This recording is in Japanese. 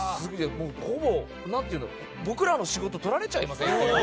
僕らの仕事取られちゃいませんか？